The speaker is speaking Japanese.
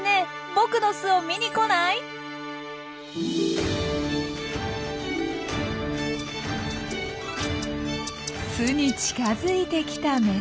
僕の巣を見に来ない？」。巣に近づいてきたメス。